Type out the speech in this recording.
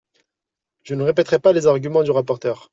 Je ne répéterai pas les arguments du rapporteur.